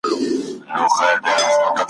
د ارغوان له خاطرو مي راوتلي عطر ,